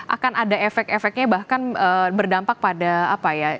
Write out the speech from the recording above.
akan ada efek efeknya bahkan berdampak pada apa ya